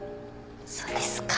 そうですか。